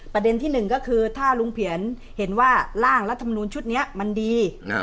ประเด็นที่๑ก็คือถ้าลุงเพียรเห็นว่าร่างและธรรมนูญชุดเนี่ยมันดี